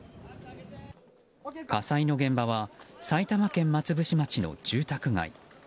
火災の現場は埼玉県松伏町の住宅街。